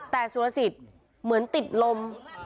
แต่สุรสิทธิ์เหมือนติดลม